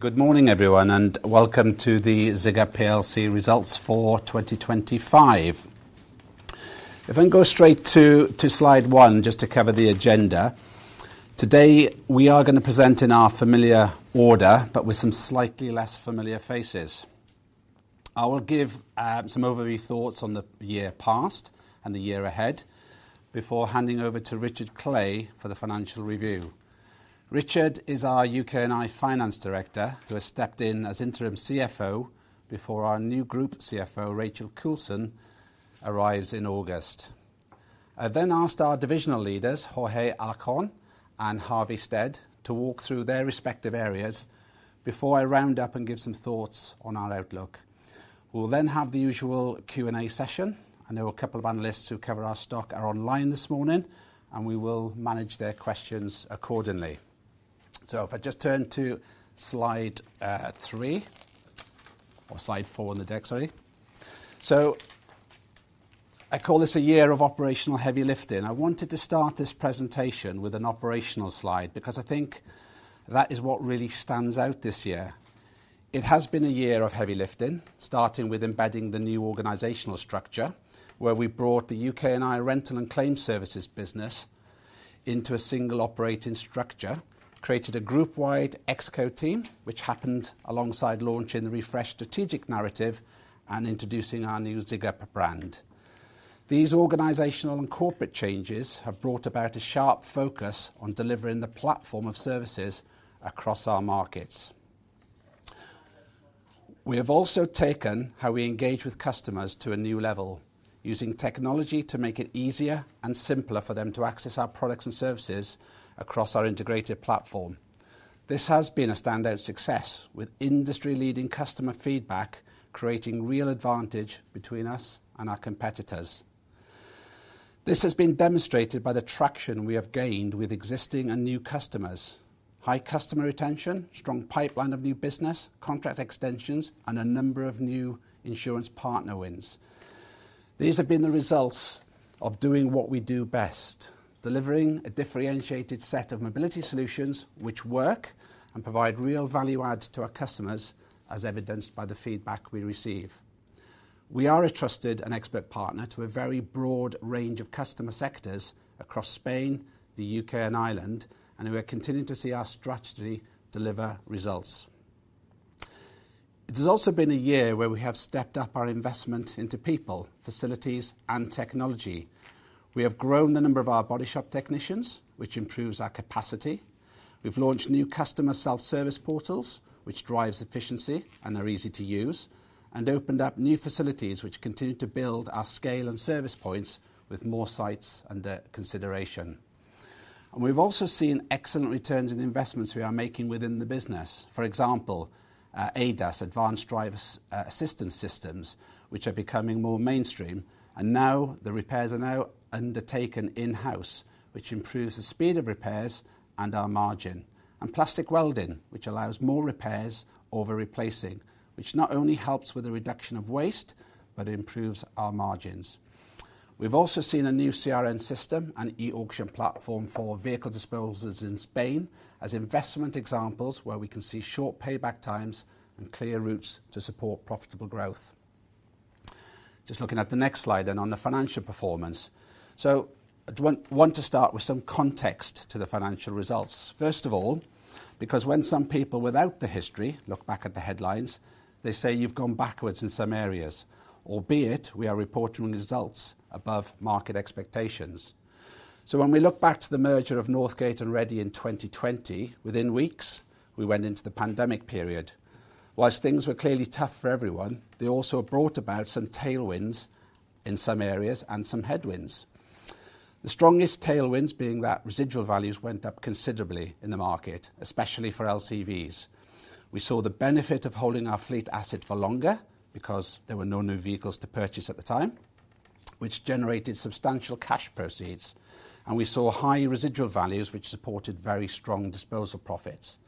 Good morning everyone and welcome the ZIGUP plc results for 2025. If I can go straight to slide one just to cover the agenda today, we are going to present in our familiar order but with some slightly less familiar faces. I will give some overview thoughts on the year past and the year ahead before handing over to Richard Clay for the Financial Review. Richard is our U.K.&I Finance Director who has stepped in as Interim CFO before our new Group CFO Rachel Coulson arrives in August. I then asked our divisional leaders Jorge Alarcon and Harvey Stead to walk through their respective areas before I round up and give some thoughts on our outlook. We'll then have the usual Q&A session. I know a couple of analysts who cover our stock are online this morning and we will manage their questions accordingly. If I just turn to slide three or slide four on the deck. Sorry, I call this a year of operational heavy lifting. I wanted to start this presentation with an operational slide because I think that is what really stands out this year. It has been a year of heavy lifting, starting with embedding the new organizational structure where we U.K.&I rental and claims services business into a single operating structure, created a group-wide Exco team which happened alongside launching the refresh strategic narrative and introducing our new ZIGUP brand. These organizational and corporate changes have brought about a sharp focus on delivering the platform of services across our markets. We have also taken how we engage with customers to a new level, using technology to make it easier and simpler for them to access our products and services across our integrated platform. This has been a standout success with industry-leading customer feedback creating real advantage between us and our competitors. This has been demonstrated by the traction we have gained with existing and new customers, high customer retention, strong pipeline of new business, contract extensions, and a number of new insurance partner wins. These have been the results of doing what we do best, delivering a differentiated set of mobility solutions which work and provide real value add to our customers as evidenced by the feedback we receive. We are a trusted and expert partner to a very broad range of customer sectors across Spain, the U.K., and Ireland and we are continuing to see our strategy deliver results. It has also been a year where we have stepped up our investment into people, facilities, and technology. We have grown the number of our body shop technicians, which improves our capacity. We've launched new customer self-service portals, which drives efficiency and are easy to use, and opened up new facilities, which continue to build our scale and service points, with more sites under consideration. We've also seen excellent returns in investments we are making within the business. For example, ADAS, advanced driver assistance systems, which are becoming more mainstream, and now the repairs are now undertaken in-house, which improves the speed of repairs and our margin, and plastic welding, which allows more repairs over replacing, which not only helps with the reduction of waste but improves our margins. We've also seen a new CRM system and E-auction platform for vehicle disposals in Spain as investment examples where we can see short payback times and clear routes to support profitable growth. Just looking at the next slide and on the financial performance. I want to start with some context to the financial results first of all, because when some people without the history look back at the headlines, they say you've gone backwards in some areas, albeit we are reporting results above market expectations. When we look back to the merger of Northgate and Redde in 2020, within weeks we went into the pandemic period. Whilst things were clearly tough for everyone, they also brought about some tailwinds in some areas and some headwinds. The strongest tailwinds being that residual values went up considerably in the market, especially for LCVs. We saw the benefit of holding our fleet asset for longer because there were no new vehicles to purchase at the time, which generated substantial cash proceeds, and we saw high residual values, which supported very strong disposal profits.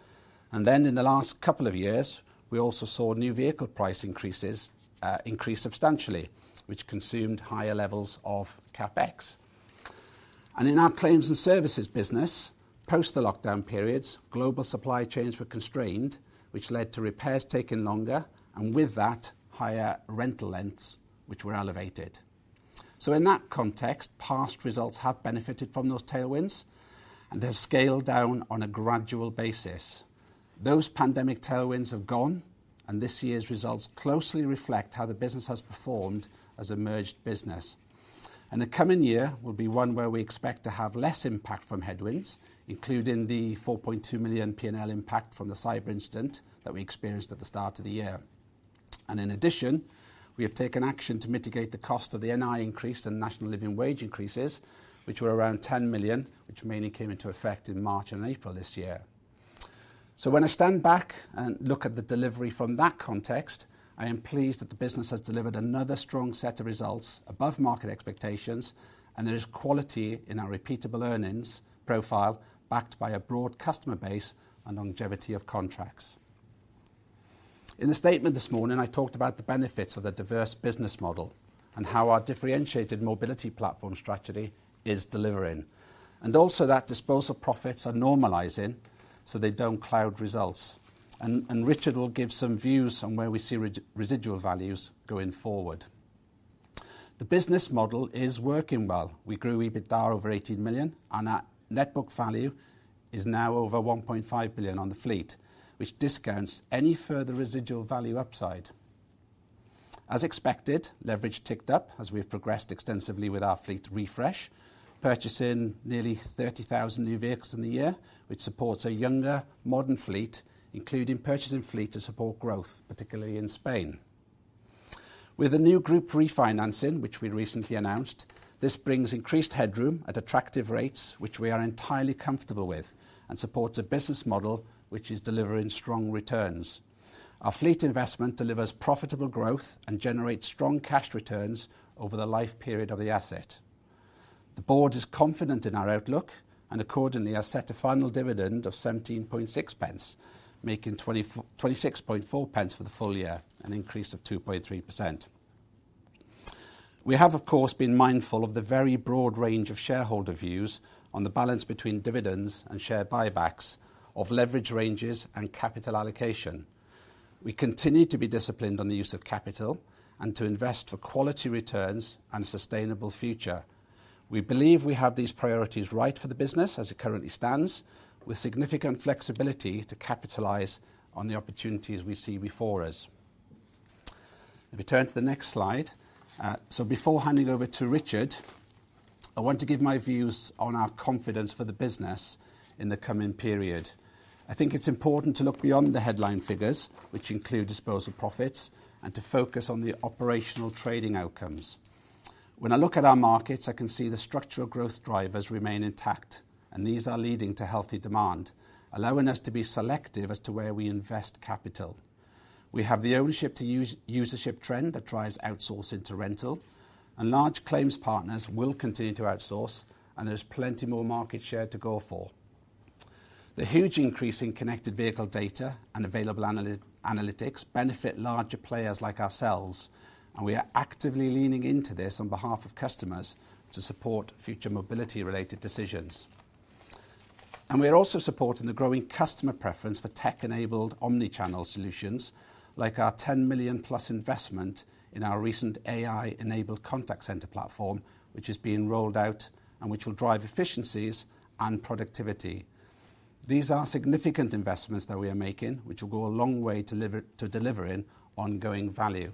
In the last couple of years, we also saw new vehicle price increases increase substantially, which consumed higher levels of CapEx. In our Claims and Services business, post the lockdown periods, global supply chains were constrained, which led to repairs taking longer and with that higher rental lengths, which were elevated. In that context, past results have benefited from those tailwinds and have scaled down on a gradual basis. Those pandemic tailwinds have gone, and this year's results closely reflect how the business has performed as a merged business. The coming year will be one where we expect to have less impact from headwinds, including the 4.2 million P&L impact from the cyber incident that we experienced at the start of the year. In addition, we have taken action to mitigate the cost of the NI increase and National Living Wage increases, which were around 10 million, which mainly came into effect in March and April this year. When I stand back and look at the delivery from that context, I am pleased that the business has delivered another strong set of results above market expectations and there is quality in our repeatable earnings profile backed by a broad customer base and longevity of contracts. In the statement this morning, I talked about the benefits of the diverse business model and how our differentiated mobility platform strategy is delivering and also that disposal profits are normalizing so they do not cloud results. Richard will give some views on where we see residual values going forward. The business model is working well. We grew EBITDA over 18 million and our net book value is now over 1.5 billion on the fleet, which discounts any further residual value upside as expected. Leverage ticked up as we have progressed extensively with our fleet refresh, purchasing nearly 30,000 new vehicles in the year, which supports a younger modern fleet, including purchasing fleet to support growth, particularly in Spain with the new group refinancing which we recently announced. This brings increased headroom at attractive rates, which we are entirely comfortable with and supports a business model which is delivering strong returns. Our fleet investment delivers profitable growth and generates strong cash returns over the life period of the asset. The Board is confident in our outlook and accordingly has set a final dividend of 0.176, making 0.264 for the full year, an increase of 2.3%. We have of course been mindful of the very broad range of shareholder views on the balance between dividends and share buybacks of leverage ranges and capital allocation. We continue to be disciplined on the use of capital and to invest for quality returns and sustainable future. We believe we have these priorities right for the business as it currently stands, with significant flexibility to capitalize on the opportunities we see before us if we turn to the next slide. Before handing over to Richard, I want to give my views on our confidence for the business in the coming period. I think it's important to look beyond the headline figures which include disposal profits and to focus on the operational trading outcomes. When I look at our markets, I can see the structural growth drivers remain intact, and these are leading to healthy demand, allowing us to be selective as to where we invest capital. We have the ownership to usership trend that drives outsourcing to rental and large claims. Partners will continue to outsource, and there's plenty more market share to go for. The huge increase in connected vehicle data and available analytics benefit larger players like ourselves, and we are actively leaning into this on behalf of customers to support future mobility related decisions. We are also supporting the growing customer preference for tech-enabled omnichannel solutions like our 10 million plus investment in our recent AI-enabled contact center platform, which is being rolled out and which will drive efficiencies and productivity. These are significant investments that we are making, which will go a long way to delivering ongoing value.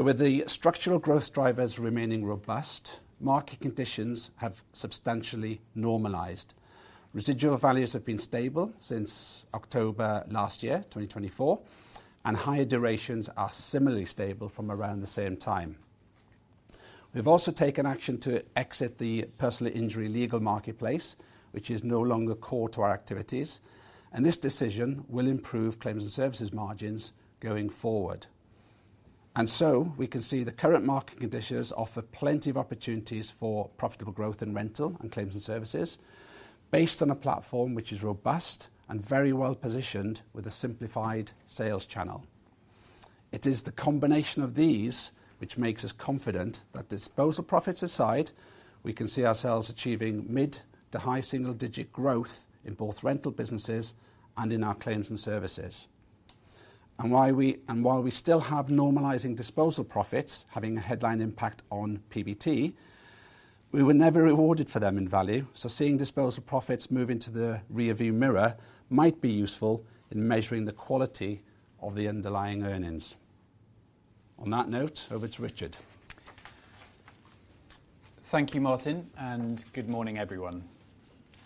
With the structural growth drivers remaining robust, market conditions have substantially normalized. Residual values have been stable since October last year, 2024, and higher durations are similarly stable. From around the same time, we've also taken action to exit the personal injury legal marketplace, which is no longer core to our activities. This decision will improve Claims and Services margins going forward. We can see the current market conditions offer plenty of opportunities for profitable growth in rental and Claims and Services based on a platform which is robust and very well positioned with a simplified sales channel. It is the combination of these which makes us confident that, disposal profits aside, we can see ourselves achieving mid to high single-digit growth in both rental businesses and in our Claims and Services. While we still have normalizing disposal profits having a headline impact on PBT, we were never rewarded for them in value. Seeing disposal profits move into the rear view mirror might be useful in measuring the quality of the underlying earnings. On that note, over to Richard. Thank you Martin and good morning everyone.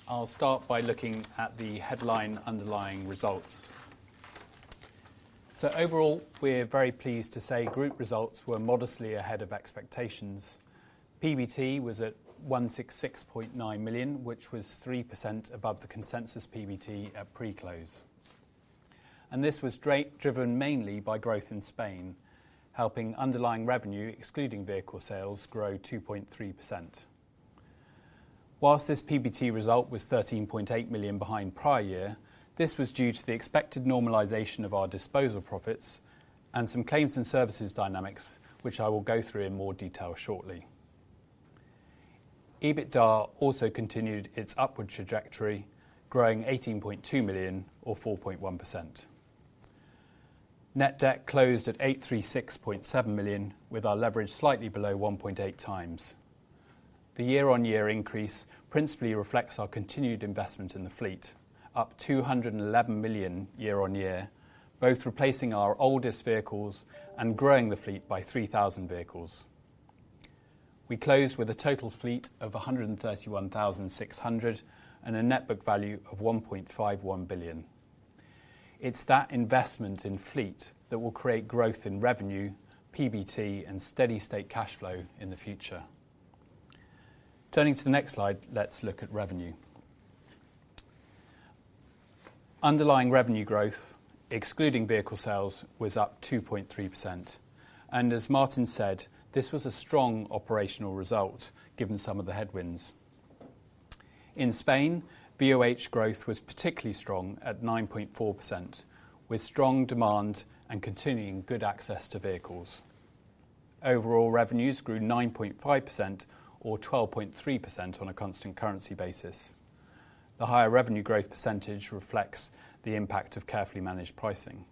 I'll start by looking at the headline underlying results. Overall we're very pleased to say group results were modestly ahead of expectations. PBT was at 166.9 million, which was 3% above the consensus PBT at pre-close. This was driven mainly by growth in Spain, helping underlying revenue excluding vehicle sales grow 2.3%. Whilst this PBT result was 13.8 million behind prior year, this was due to the expected normalisation of our disposal profits and some Claims and Services dynamics which I will go through in more detail shortly. EBITDA also continued its upward trajectory, growing 18.2 million or 4.1%. Net debt closed at 836.7 million with our leverage slightly below 1.8x. Year on yea increase principally reflects our continued investment in the fleet, up 211 million year on year, both replacing our oldest vehicles and growing the fleet by 3,000 vehicles. We close with a total fleet of 131,600 and a net book value of 1.51 billion. It's that investment in fleet that will create growth in revenue, PBT and steady state cash flow in the future. Turning to the next slide, let's look at revenue. Underlying revenue growth excluding vehicle sales was up 2.3%. As Martin said, this was a strong operational result given some of the headwinds in Spain. VOH growth was particularly strong at 9.4% with strong demand and continuing good access to vehicles. Overall revenues grew 9.5% or 12.3% on a constant currency basis. The higher revenue growth percentage reflects the impact of carefully managed pricing.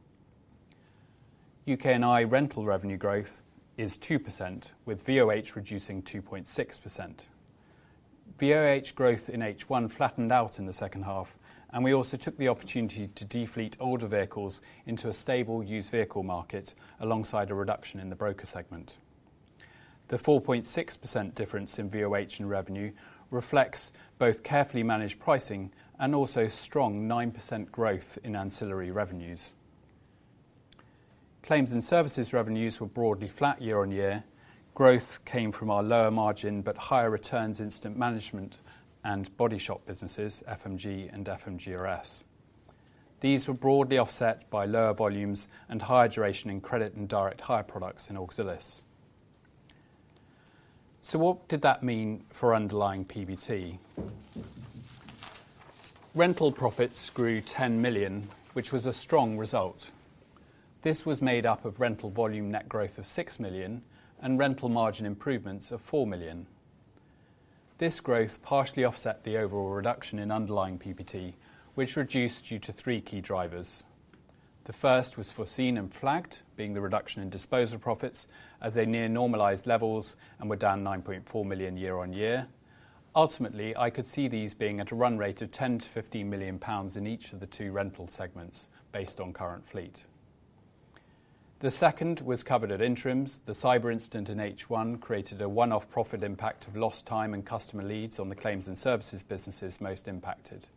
U.K.&I rental revenue growth is 2% with VOH reducing 2.6%. VOH growth in H1 flattened out in the second half and we also took the opportunity to defleet older vehicles into a stable used vehicle market alongside a reduction in the broker segment. The 4.6% difference in VOH and revenue reflects both carefully managed pricing and also strong 9% growth in ancillary revenues. Claims and Services revenues were broadly flat year on year. Growth came from our lower margin but higher returns incident management and body shop businesses, FMG and FMGRS. These were broadly offset by lower volumes and higher duration in credit and direct hire products in Auxillis. What did that mean for underlying PBT? Rental profits grew 10 million which was a strong result. This was made up of rental volume net growth of 6 million and rental margin improvements of 4 million. This growth partially offset the overall reduction in underlying PBT which reduced due to three key drivers. The first was foreseen and flagged before, the reduction in disposal profits as they near normalized levels and were down 9.4 million year on year. Ultimately, I could see these being at a run rate of EUR 10 million-EUR 15 million in each of the two rental segments based on current fleet. The second was covered at Interims. The cyber incident in H1 created a one-off profit impact of lost time and customer leads on the Claims and Services businesses most impacted.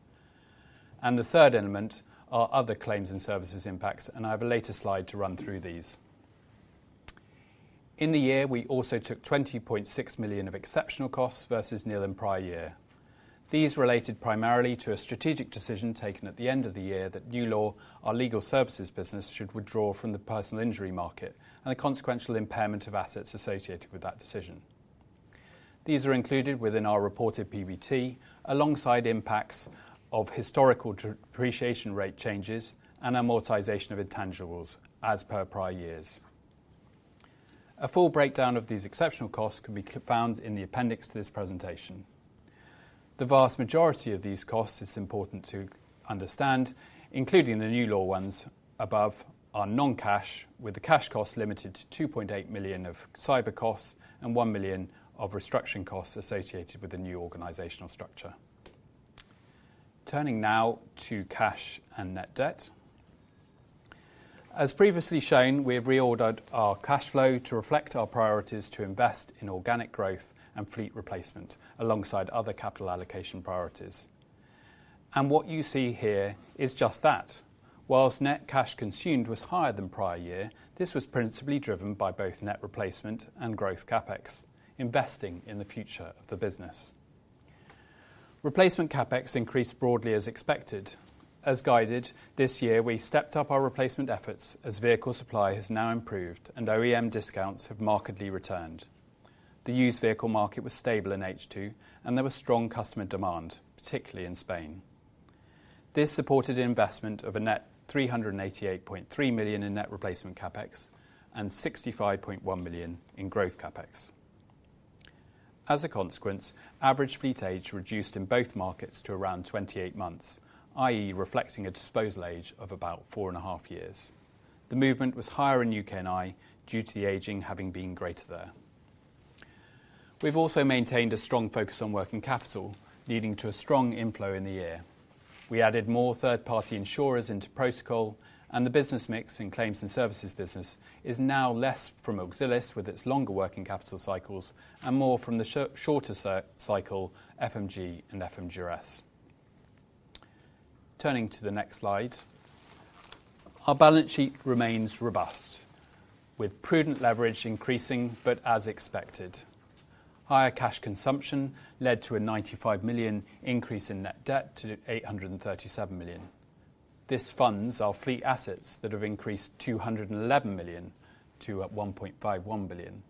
The third element are other Claims and Services impacts, and I have a later slide to run through these in the year. We also took 20.6 million of exceptional costs versus nil in prior year. These related primarily to a strategic decision taken at the end of the year that NewLaw, our legal services business, should withdraw from the personal injury market and the consequential impairment of assets associated with that decision. These are included within our reported PBT alongside impacts of historical depreciation rate changes and amortization of intangibles as per prior years. A full breakdown of these exceptional costs can be found in the appendix to this presentation. The vast majority of these costs, it's important to understand, including the NewLaw ones above, are non-cash with the cash cost limited to 2.8 million of cyber costs and 1 million of restructuring costs associated with the new organizational structure. Turning now to cash and net debt, as previously shown, we have reordered our cash flow to reflect our priorities to invest in organic growth and fleet replacement alongside other capital allocation priorities. What you see here is just that whilst net cash consumed was higher than prior year, this was principally driven by both net replacement and growth CapEx. Investing in the future of the business, replacement CapEx increased broadly as expected. As guided, this year we stepped up our replacement efforts as vehicle supply has now improved and OEM discounts have markedly returned. The used vehicle market was stable in H2 and there was strong customer demand, particularly in Spain. This supported investment of a net 388.3 million in net replacement CapEx and 65.1 million in growth CapEx. As a consequence, average fleet age reduced in both markets to around 28 months, that is reflecting a disposal age of about four and a half years. The movement was higher in U.K.&I due to the aging having been greater there. We've also maintained a strong focus on working capital, leading to a strong inflow. In the year, we added more third party insurers into protocol, and the business mix in Claims and Services business is now less from Auxillis with its longer working capital cycles and more from the shorter cycle FMG and FMGRS. Turning to the next slide, our balance sheet remains robust with prudent leverage increasing, but as expected, higher cash consumption led to a 95 million increase in net debt to 837 million. This funds our fleet assets that have increased 211 million to 1.51 billion.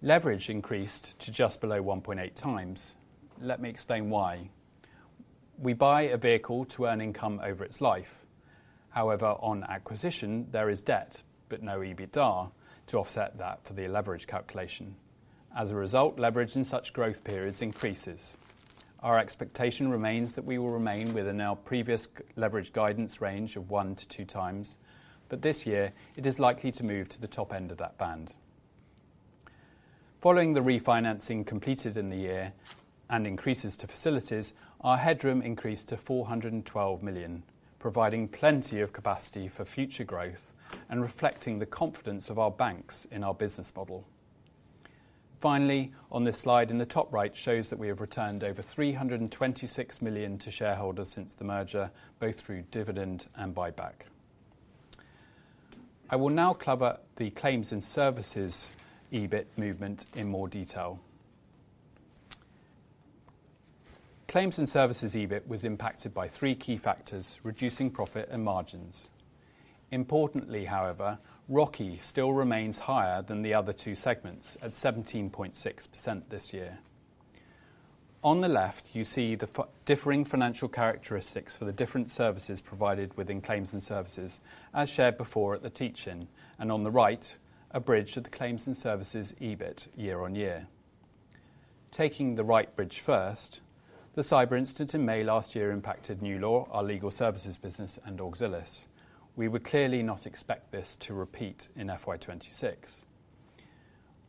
Leverage increased to just below 1.8x. Let me explain why: we buy a vehicle to earn income over its life. However, on acquisition there is debt but no EBITDA to offset that for the leverage calculation. As a result, leverage in such growth periods increases. Our expectation remains that we will remain within our previous leverage guidance range of one to two times, but this year it is likely to move to the top end of that band. Following the refinancing completed in the year and increases to facilities, our headroom increased to 412 million, providing plenty of capacity for future growth, reflecting the confidence of our banks in our business model. Finally, on this slide, in the top right, shows that we have returned over 326 million to shareholders since the merger, both through dividend and buyback. I will now cover the Claims and Services EBIT movement in more detail. Claims and Services EBIT was impacted by three key factors reducing profit and margins. Importantly, however, ROCE still remains higher than the other two segments at 17.6% this year. On the left, you see the differing financial characteristics for the different services provided within Claims and Services as shared before at the teach-in, and on the right, a bridge of the Claims and Services EBIT year on year. Taking the right bridge first, the cyber incident in May last year impacted NewLaw, our legal services business, and Auxillis. We would clearly not expect this to repeat in FY 2026.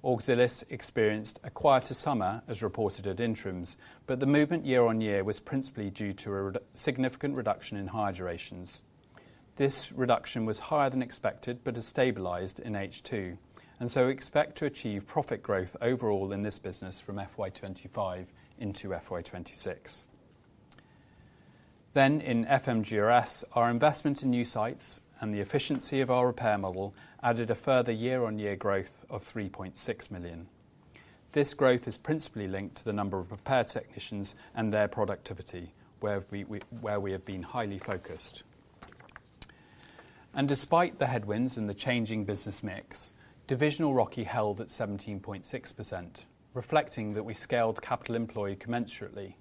Auxillis experienced a quieter summer as reported at interims, but the movement year on year was principally due to a significant reduction in hire durations. This reduction was higher than expected but has stabilized in H2 and expect to achieve profit growth overall in this business from FY 2025 into FY 2026. In FMGRS, our investment in new sites and the efficiency of our repair model added a further year-on-year growth of 3.6 million. This growth is principally linked to the number of repair technicians and their productivity, where we have been highly focused. Despite the headwinds and the changing business mix, divisional ROCE held at 17.6%, reflecting that we scaled capital employed commensurately.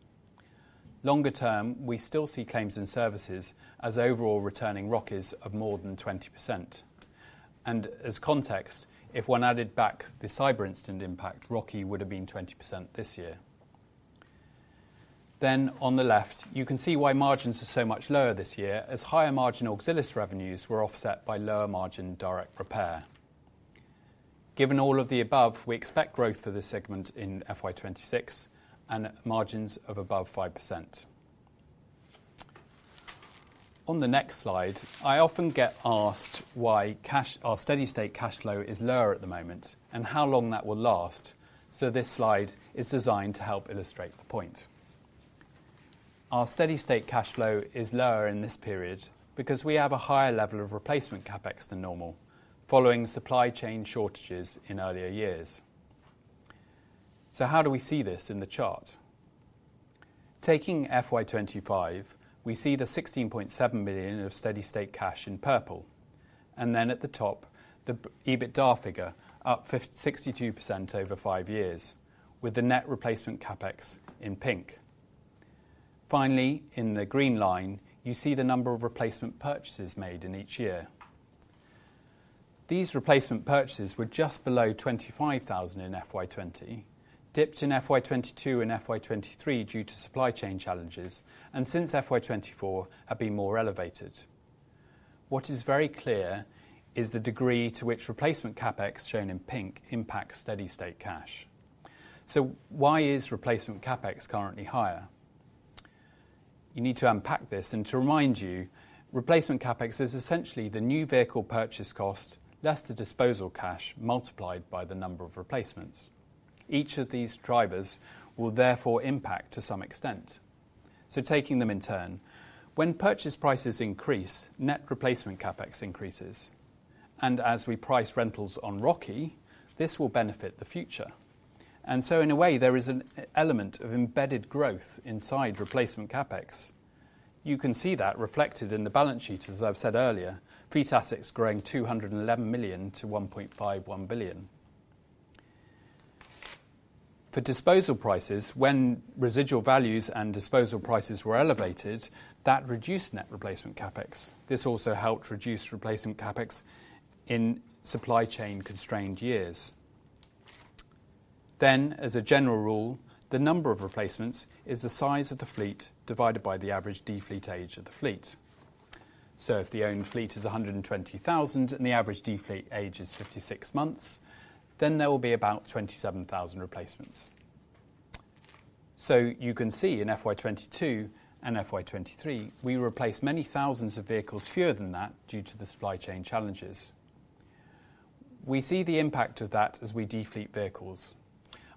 Longer term, we still see Claims and Services as overall returning ROCEs of more than 20%, and as context, if one added back the cyber incident impact, ROCE would have been 20% this year. On the left, you can see why margins are so much lower this year, as higher margin Auxillis revenues were offset by lower margin direct repair. Given all of the above, we expect growth for this segment in FY 2026 and margins of above 5%. On the next slide, I often get asked why our steady state cash flow is lower at the moment and how long that will last. This slide is designed to help illustrate the point. Our steady state cash flow is lower in this period because we have a higher level of replacement CapEx than normal following supply chain shortages in earlier years. How do we see this in the chart? Taking FY 2025, we see the 16.7 million of steady state cash in purple and then at the top the EBITDA figure up 62% over five years with the net replacement CapEx in pink. In the green line, you see the number of replacement purchases made in each year. These replacement purchases were just below 25,000 in FY 2020, dipped in FY 2022 and FY 2023 due to supply chain challenges, and since FY 2024 have been more elevated. What is very clear is the degree to which replacement CapEx, shown in pink, impacts steady state cash. Why is replacement CapEx currently higher? You need to unpack this, and to remind you, replacement CapEx is essentially the new vehicle purchase cost less the disposal cash multiplied by the number of replacements. Each of these drivers will therefore impact to some extent. Taking them in turn, when purchase prices increase, net replacement CapEx increases, and as we price rentals on ROCE, this will benefit the future. In a way, there is an element of embedded growth inside replacement CapEx. You can see that reflected in the balance sheet. As I've said earlier, fleet assets growing 211 million to 1.51 billion for disposal prices. When residual values and disposal prices were elevated, that reduced net replacement CapEx. This also helped reduce replacement CapEx in supply chain constrained years. As a general rule, the number of replacements is the size of the fleet divided by the average defleet age of the fleet. If the owned fleet is 120,000 and the average defleet age is 56 months, there will be about 27,000 replacements. You can see in FY 2022 and FY 2023 we replaced many thousands of vehicles fewer than that due to the supply chain challenges. We see the impact of that as we defleet vehicles.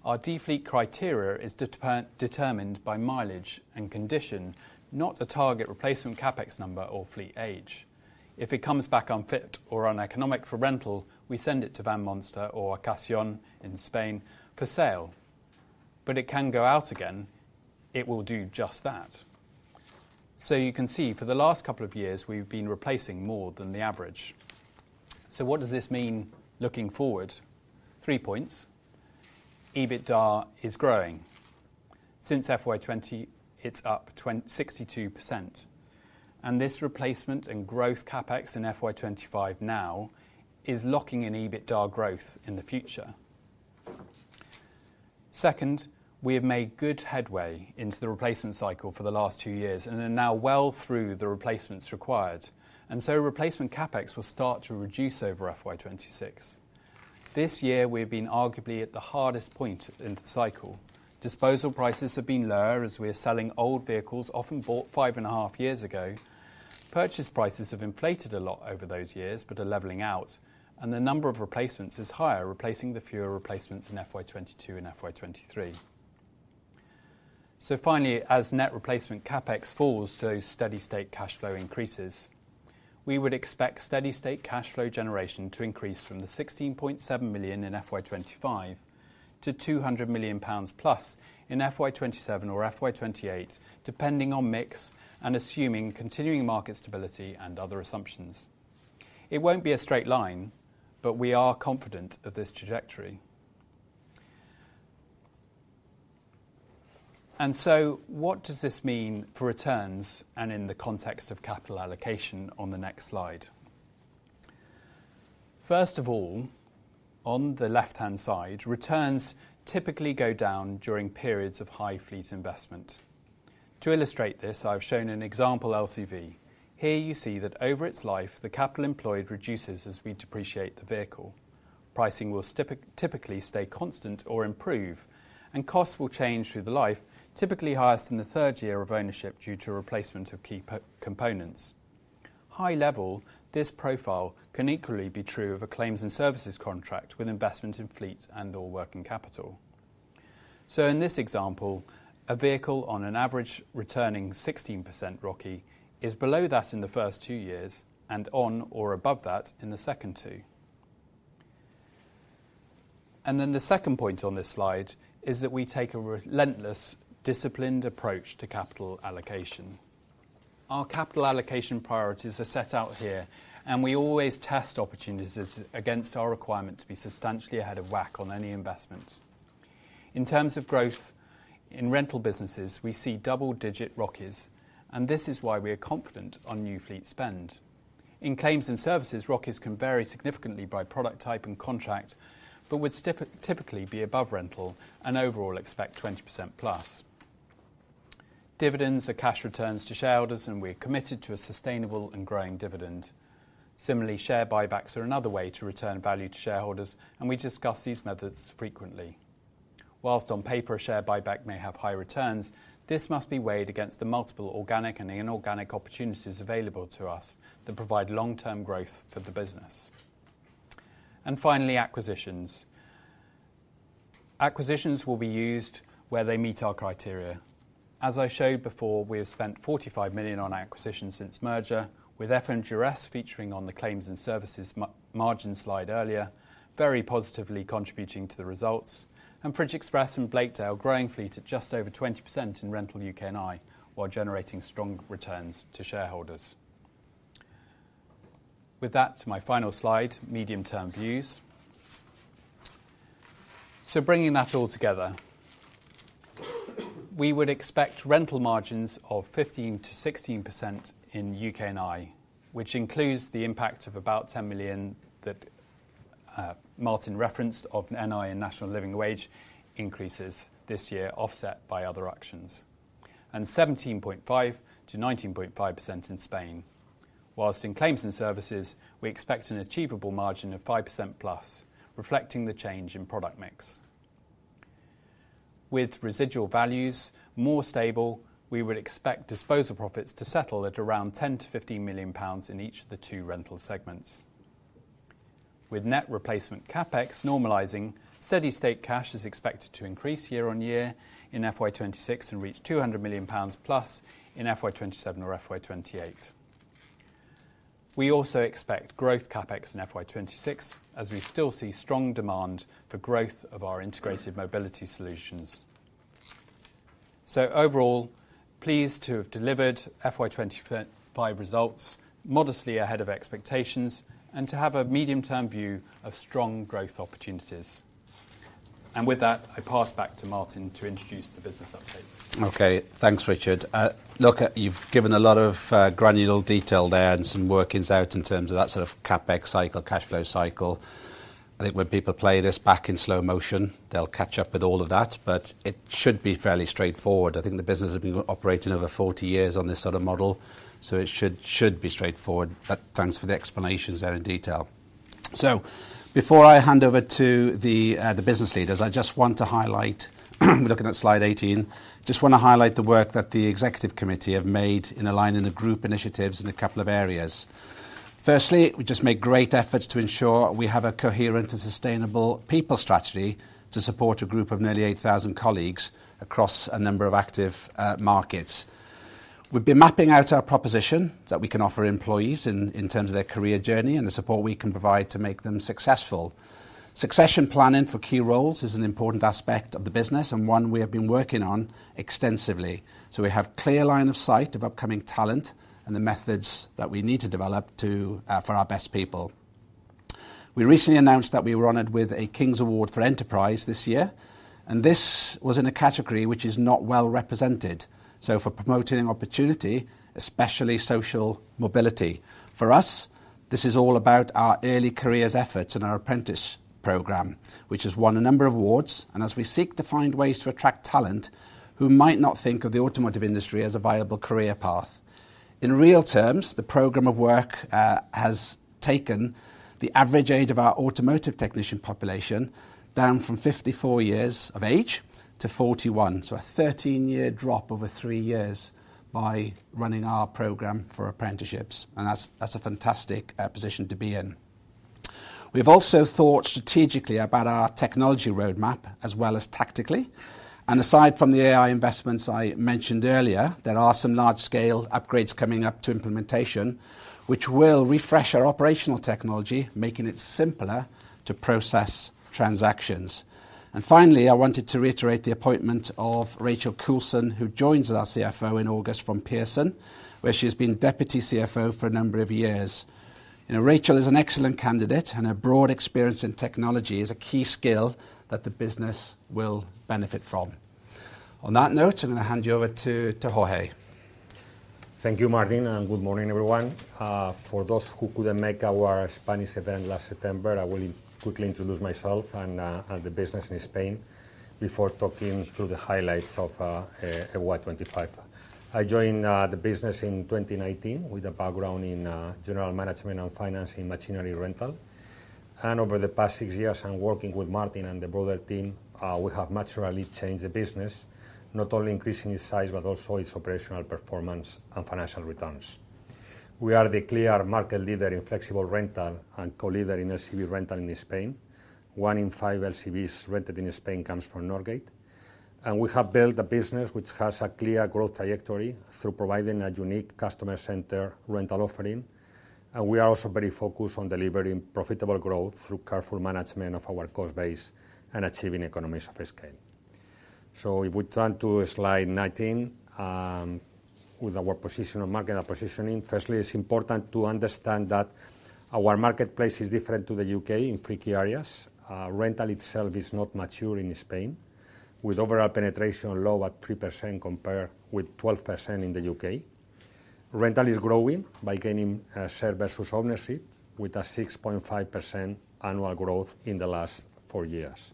Our defleet criteria is determined by mileage and condition, not a target replacement CapEx number or fleet age. If it comes back unfit or uneconomic for rental, we send it to Van Monster or Ocasión in Spain for sale. It can go out again. It will do just that. You can see for the last couple of years we've been replacing more than the average. What does this mean? Looking forward, three points. EBITDA is growing since FY 2020, it's up 62%. This replacement and growth CapEx in FY 2025 now is locking in EBITDA growth in the future. We have made good headway into the replacement cycle for the last two years and are now well through the replacements required. Replacement CapEx will start to reduce over FY 2026. This year we have been arguably at the hardest point in the cycle. Disposal prices have been lower as we are selling old vehicles often bought five and a half years ago. Purchase prices have inflated a lot over those years but are leveling out. The number of replacements is higher, replacing the fewer replacements in FY 2022 and FY 2023. As net replacement CapEx falls, those steady state cash flow increases. We would expect steady state cash flow generation to increase from the 16.7 million in FY 2025 to EUR 200+ million in FY 2027 or FY 2028 depending on mix and assuming continuing markets and other assumptions. It won't be a straight line, but we are confident of this trajectory. What does this mean for returns and in the context of capital allocation on the next slide? First of all, on the left hand side, returns typically go down during periods of high fleet investment. To illustrate this, I have shown an example LCV. Here you see that over its life the capital employed reduces as we depreciate the vehicle. Pricing will typically stay constant or improve and costs will change through the life, typically highest in the third year of ownership due to replacement of key components. High level. This profile can equally be true of a Claims and Services contract with investment in fleet and/or working capital. In this example, a vehicle on an average returning 16% ROCE is below that in the first two years and on or above that in the second two. The second point on this slide is that we take a relentless, disciplined approach to capital allocation. Our capital allocation priorities are set out here, and we always test opportunities against our requirement to be substantially ahead of WACC on any investment. In terms of growth in rental businesses, we see double-digit ROCEs, and this is why we are confident on new fleet spend in Claims and Services. ROCEs can vary significantly by product type and contract but would typically be above rental, and overall expect 20%+. Dividends are cash returns to shareholders, and we are committed to a sustainable and growing dividend. Similarly, share buybacks are another way to return value to shareholders, and we discuss these methods frequently. Whilst on paper a share buyback may have high returns, this must be weighed against the multiple organic and inorganic opportunities available to us that provide long-term growth for the business, and finally acquisitions. Acquisitions will be used where they meet our criteria. As I showed before, we have spent 45 million on acquisitions since merger, with FMGRS featuring on the Claims and Services margin slide earlier, very positively contributing to the results, and Fridge Xpress and Blakedale growing fleet at just over 20% in rental U.K.&I while generating strong returns to shareholders. With that, to my final slide, medium-term views. Bringing that all together, we would expect rental margins of 15%-16% in U.K.&I, which includes the impact of about 10 million that Martin referenced of NI in National Living Wage increases this year, offset by other actions, and 17.5%-19.5% in Spain. Whilst in Claims and Services, we expect an achievable margin of 5%+, reflecting the change in product mix. With residual values more stable, we would expect disposal profits to settle at around EUR 10 million-EUR 15 million in each of the two rental segments. With net replacement CapEx normalizing, steady state cash is expected to increase year on year in FY 2026 and reach EUR 200+ million in FY2027 or FY2028. We also expect growth CapEx in FY2026 as we still see strong demand for growth of our integrated mobility solutions. Overall, pleased to have delivered FY 2025 results modestly ahead of expectations and to have a medium term view of strong growth opportunities. With that, I pass back to Martin to introduce the business updates. Okay, thanks Richard. Look, you've given a lot of granular detail there and some workings out in terms of that sort of CapEx cycle, cash flow cycle. I think when people play this back in slow motion they'll catch up with all of that, but it should be fairly straightforward. I think the business has been operating over 40 years on this sort of model, so it should be straightforward. Thanks for the explanations there in detail. Before I hand over to the business leaders, I just want to highlight looking at slide 18. I just want to highlight the work that the executive committee have made in aligning the group initiatives in a couple of areas. Firstly, we just made great efforts to ensure we have a coherent and sustainable people strategy to support a group of nearly 8,000 colleagues across a number of active markets. We've been mapping out our proposition that we can offer employees in terms of their career journey and the support we can provide to make them successful. Succession planning for key roles is an important aspect of the business and one we have been working on extensively. We have clear line of sight of upcoming talent and the methods that we need to develop for our best people. We recently announced that we were honored with a King's Award for Enterprise this year and this was in a category which is not well represented, for promoting opportunity, especially social mobility. For us, this is all about our early careers efforts in our apprenticeship program which has won a number of awards and as we seek to find ways to attract talent who might not think of the automotive industry as a viable career path in real terms, the program of work has taken the average age of our automotive technician population down from 54 years of age to 41. A 13 year drop over three years by running our program for apprenticeships and that's a fantastic position to be in. We've also thought strategically about our technology roadmap as well as tactically. Aside from the AI investments I mentioned earlier, there are some large scale upgrades coming up to implementation which will refresh our operational technology, making it simpler to process transactions. Finally, I wanted to reiterate the appointment of Rachel Coulson who joins as our CFO in August from Pearson where she has been Deputy CFO for a number of years. Rachel is an excellent candidate and her broad experience in technology is a key skill and that the business will benefit from. On that note, I'm going to hand you over to Jorge. Thank you Martin and good morning everyone. For those who couldn't make our Spanish event last September, I will quickly introduce myself and the business in Spain before talking through the highlights of 2025. I joined the business in 2019 with a background in general management and finance in machinery range rental and over the past six years, working with Martin and the broader team, we have naturally changed the business, not only increasing its size but also its operational performance and financial returns. We are the clear market leader in flexible rental and co-leader in LCV rental in Spain. one in five LCVs rented in Spain comes from Northgate and we have built a business which has a clear growth trajectory through providing a unique customer-centered rental offering. We are also very focused on delivering profitable growth through careful management of our cost base and achieving economies of scale. If we turn to slide 19 with our position of market positioning, firstly it's important to understand that our marketplace is different to the U.K. in three key areas. Rental itself is not mature in Spain with overall penetration low at 3% compared with 12% in the U.K.. Rental is growing by gaining share versus ownership with a 6.5% annual growth in the last four years.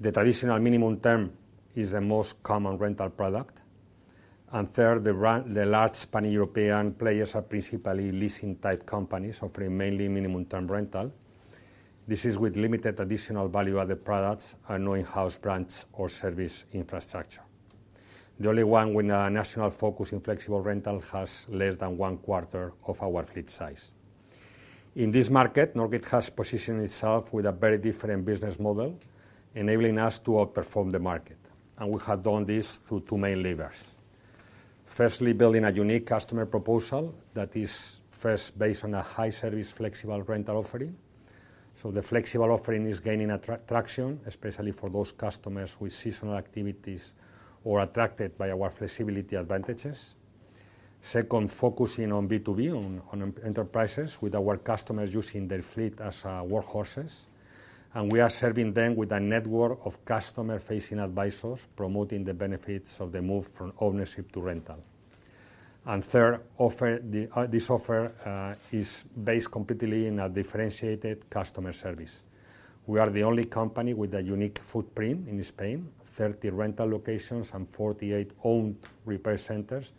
The traditional minimum term is the most common rental product and third, the large Spanish-European players are principally leasing type companies offering mainly minimum term rental. This is with limited additional value-added products, a new in-house branch or service infrastructure. The only one with a national focus in flexible rental has less than 1/4 of our fleet size. In this market, Northgate has positioned itself with a very different business model enabling us to outperform the market and we have done this through two main levers. Firstly, building a unique customer proposal that is first based on a high service flexible rental offering. The flexible offering is gaining traction especially for those customers with seasonal activities or attracted by our flexibility advantages. Second, focusing on B2B on enterprises with our customers using their fleet as workhorses and we are serving them with a network of customer-facing advisors promoting the benefits of the move from ownership to rental. Third, this offer is based completely in a differentiated customer service. We are the only company with a unique footprint in Spain, 30 rental locations and 48 owned repair centers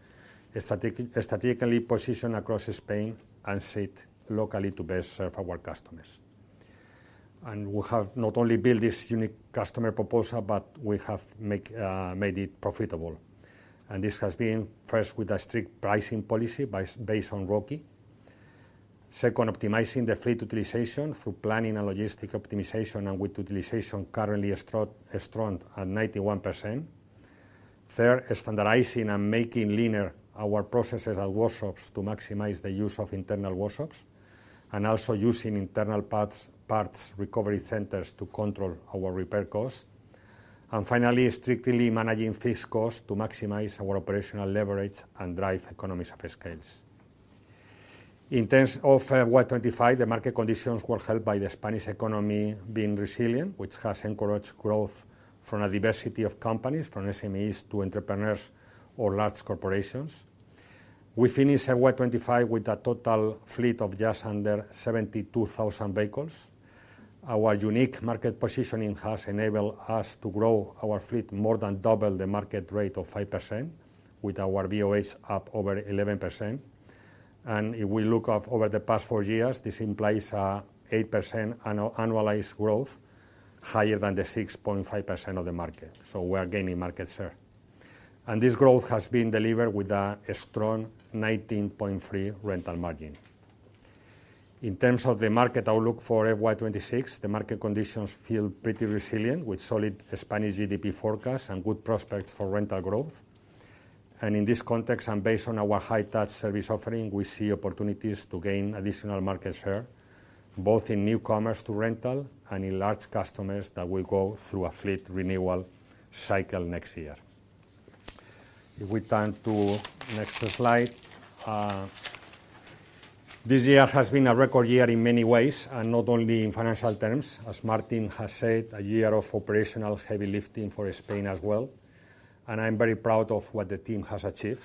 strategically positioned across Spain and sit locally to best serve our customers. We have not only built this unique customer proposal but we have made it profitable and this has been first with a strict pricing policy based on ROCE. Second, optimizing the fleet utilization through planning and logistic optimization with utilization currently strong at 91%. Third, standardizing and making leaner our processes at workshops to maximize the use of internal workshops and also using internal parts recovery centers to control our repair costs, and finally, strictly managing fixed costs to maximize our operational leverage and drive economies of scale. In terms of FY 2025, the market conditions were helped by the Spanish economy being resilient, which has encouraged growth from a diversity of companies from SMEs to entrepreneurs or large corporations. We finished FY 2025 with a total fleet of just under 72,000 vehicles. Our unique market positioning has enabled us to grow our fleet more than double the market rate of 5%, with our VOH up over 11%. If we look over the past four years, this implies 8% annualized growth, higher than the 6.5% of the market. We are gaining market share and this growth has been delivered with a strong 19.3% rental margin. In terms of the market outlook for FY 2026, the market conditions feel pretty resilient with solid Spanish GDP forecast and good prospects for rental growth. In this context and based on our high touch service offering, we see opportunities to gain additional market share both in new commerce to rental and in large customers that go through a fleet renewal cycle next year. If we turn to the next slide, this year has been a record year in many ways and not only in financial terms. As Martin has said, a year of operational heavy lifting for Spain as well and I'm very proud of what the team has achieved.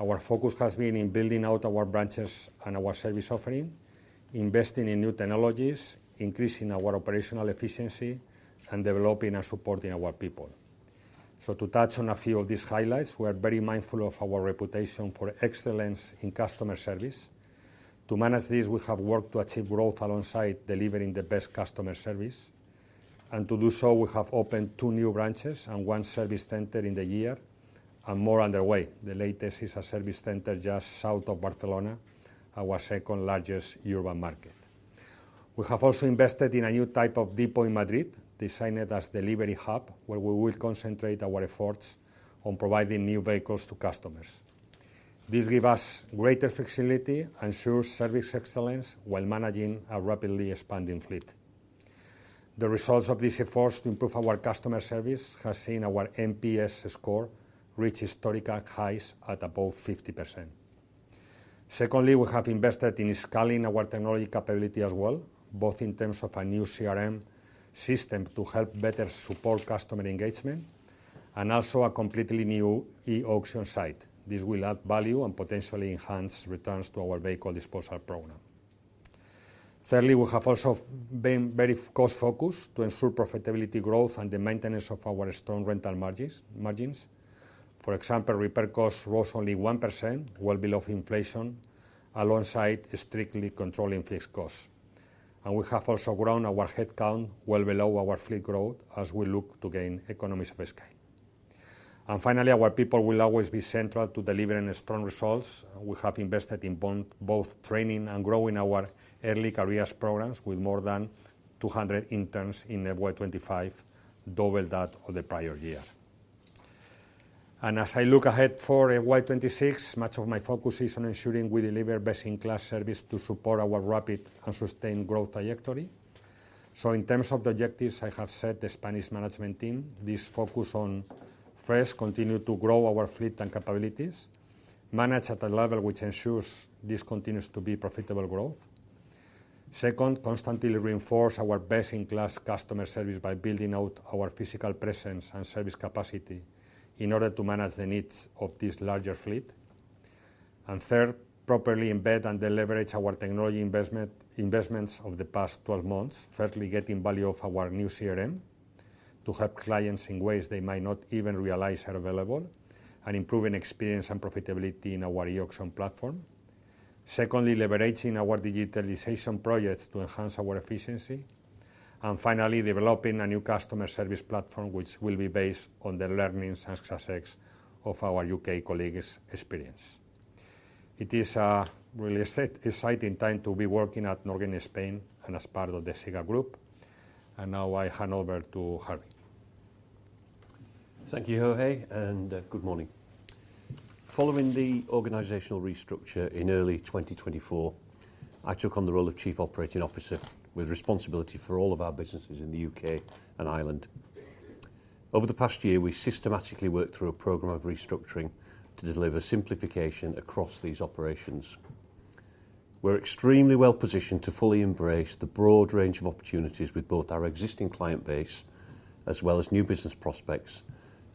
Our focus has been in building out our branches and our service offering, investing in new technologies, increasing our operational efficiency and developing and supporting our people. To touch on a few of these highlights, we are very mindful of our reputation for excellence in customer service. To manage this, we have worked to achieve growth alongside delivering the best customer service and to do so we have opened two new branches and one service center in the year and more underway. The latest is a service center just south of Barcelona, our second largest urban market. We have also invested in a new type of depot in Madrid designed as a delivery hub where we will concentrate our efforts on providing new vehicles to customers. This gives us greater facility, ensures service excellence while managing a rapidly expanding fleet. The results of these efforts to improve our customer service has seen our NPS score reach historical highs at above 50%. Secondly, we have invested in scaling our technology capability as well, both in terms of a new CRM system to help better support customer engagement and also a completely new E-auction site. This will add value and potentially enhance returns to our vehicle disposal program. Thirdly, we have also been very cost focused to ensure profitability growth and the maintenance of our strong rental margins. For example, repair costs rose only 1%, well below inflation, alongside strictly controlling fixed costs, and we have also grown our headcount well below our fleet growth as we look to gain economies of scale. Our people will always be central to delivering strong results. We have invested in both training and growing our early careers programs with more than 200 interns in FY 2025, double that of the prior year, and as I look ahead for FY 2026, much of my focus is on ensuring we deliver best-in-class service to support our rapid and sustained growth trajectory. In terms of the objectives I have set the Spanish management team, this focuses on first, continuing to grow our fleet and capabilities managed at a level which ensures this continues to be profitable growth. Second, constantly reinforce our best-in-class customer service by building out our physical presence and service capacity in order to manage the needs of this larger fleet. Third, properly embed and deleverage our technology investments over the past 12 months. Firstly, getting value out of our new CRM to help clients in ways they might not even realize are available and improving experience and profitability in our E-auction platform. Secondly, leveraging our digitalization projects to enhance our efficiency and finally developing a new customer service platform which will be based on the learnings and success of our U.K. colleagues' experience. It is a really exciting time to be working in Northgate Spain and as part of the ZIGUP Group. Now I hand over to Harvey. Thank you, Jorge, and good morning. Following the organizational restructure in early 2024, I took on the role of Chief Operating Officer with responsibility for all of our businesses in the U.K. and Ireland. Over the past year, we systematically worked through a program of restructuring to deliver simplification across these operations. We're extremely well positioned to fully embrace the broad range of opportunities with both our existing client base as well as new business prospects,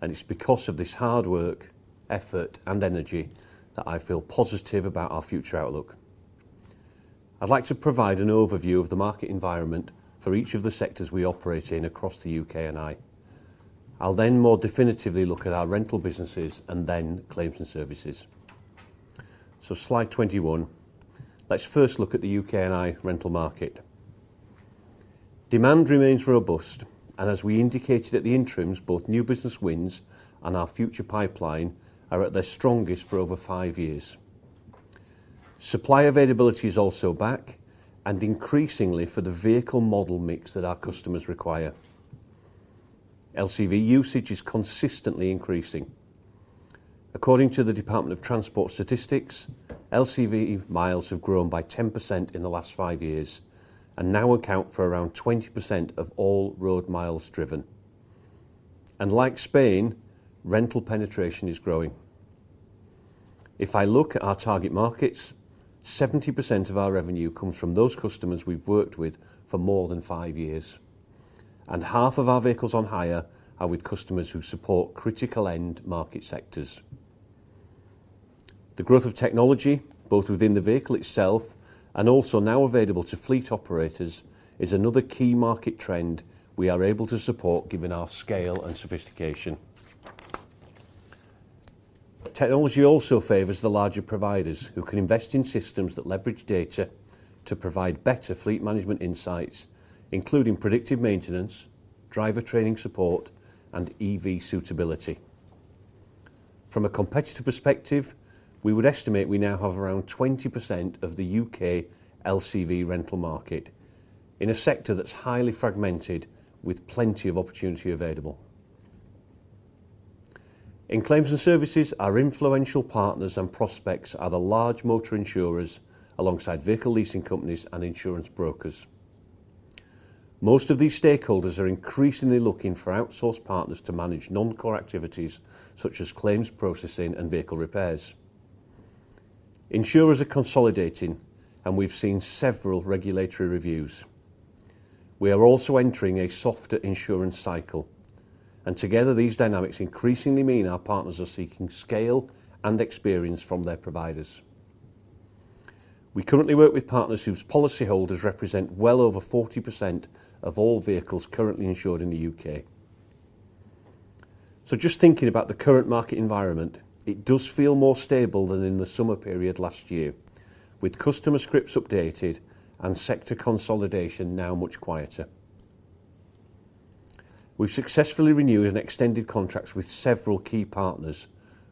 and it's because of this hard work, effort, and energy that I feel positive about our future outlook. I'd like to provide an overview of the market environment for each of the sectors we operate in across the U.K.&I. I'll then more definitively look at our rental businesses and then Claims and Services. Slide 21, let's first look at the U.K.&I rental market. Demand remains robust, and as we indicated at the interims, both new business wins and our future pipeline are at their strongest for over five years. Supply availability is also back and increasingly for the vehicle model mix that our customers require. LCV usage is consistently increasing. According to the Department of Transport Statistics, LCV miles have grown by 10% in the last five years and now account for around 20% of all road miles driven. Like Spain, rental penetration is growing. If I look at our target markets, 70% of our revenue comes from those customers we've worked with for more than five years, and half of our vehicles on hire are with customers who support critical end market sectors. The growth of technology, both within the vehicle itself and also now available to fleet operators, is another key market trend we are able to support given our scale and sophistication. Technology also favors the larger providers who can invest in systems that leverage data to provide better fleet management insights, including predictive maintenance, driver training support, and EV suitability. From a competitor perspective, we would estimate we now have around 20% of the U.K. LCV rental market in a sector that's highly fragmented with plenty of opportunity available in Claims and Services. Our influential partners and prospects are the large motor insurers. Alongside vehicle leasing companies and insurance brokers, most of these stakeholders are increasingly looking for outsourced partners to manage non-core activities such as claims processing and vehicle repairs. Insurers are consolidating, and we've seen several regulatory reviews. We are also entering a softer insurance cycle, and together these dynamics increasingly mean our partners are seeking scale and experience from their providers. We currently work with partners whose policy holders represent well over 40% of all vehicles currently insured in the U.K. Just thinking about the current market environment, it does feel more stable than in the summer period last year, with customer scripts updated and sector consolidation now much quieter. We've successfully renewed and extended contracts with several key partners,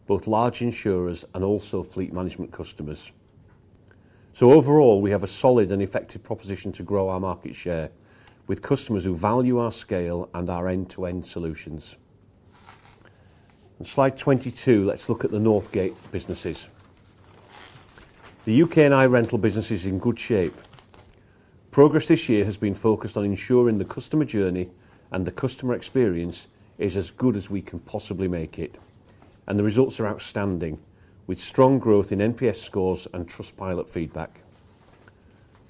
both large insurers and also fleet management customers. Overall, we have a solid and effective proposition to grow our market share with customers who value our scale and our end-to-end solutions. Slide 22, let's look at the Northgate businesses. The U.K.&I rental business is in good shape. Progress this year has been focused on ensuring the customer journey and the customer experience is as good as we can possibly make it, and the results are outstanding, with strong growth in NPS scores and Trustpilot feedback